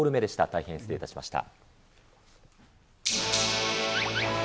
大変失礼いたしました。